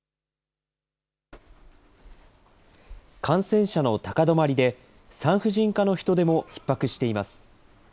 感染者の高止まりで、産婦人科の人手もひっ迫しています。